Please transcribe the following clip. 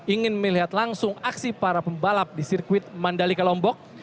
ingin melihat langsung aksi para pembalap di sirkuit mandalika lombok